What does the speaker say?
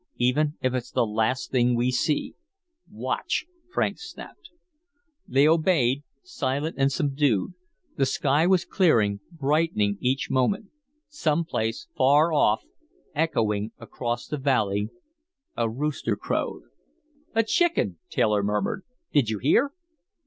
Even if it's the last thing we see " "Watch," Franks snapped. They obeyed, silent and subdued. The sky was clearing, brightening each moment. Some place far off, echoing across the valley, a rooster crowed. "A chicken!" Taylor murmured. "Did you hear?"